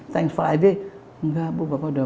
thanksgiving enggak bu bapak udah